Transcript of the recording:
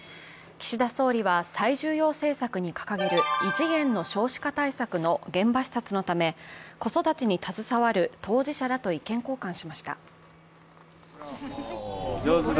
岸田総理は最重要政策に掲げる異次元の少子化対策の現場視察のため子育てに携わる当事者らと意見交換しました。